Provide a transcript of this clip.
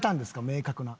明確な。